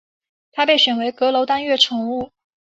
他被选为阁楼当月宠物。